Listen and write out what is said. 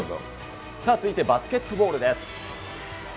続いてバスケットボールです。